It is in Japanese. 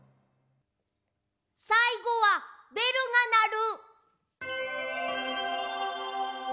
さいごは「べるがなる」。